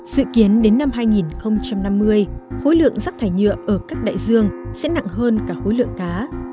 dự kiến đến năm hai nghìn năm mươi khối lượng rác thải nhựa ở các đại dương sẽ nặng hơn cả khối lượng cá